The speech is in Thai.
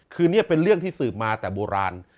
คือนี่เป็นเรื่องที่สืบมาแต่โบราณ